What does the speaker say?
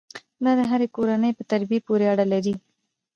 دا د هرې کورنۍ په تربیې پورې اړه لري.